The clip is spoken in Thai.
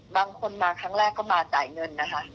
บางคนมาครั้งแรกก็มาจ่ายเงินนะคะ